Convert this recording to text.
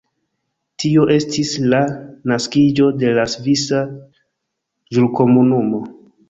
Tio estis la naskiĝo de la Svisa Ĵurkomunumo.